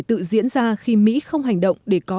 tự diễn ra khi mỹ không hành động để có